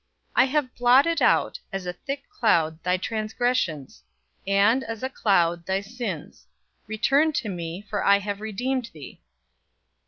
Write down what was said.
'I have blotted out, as a thick cloud, thy transgressions, and, as a cloud, thy sins; return unto me; for I have redeemed thee.'